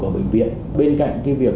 ở bệnh viện bên cạnh việc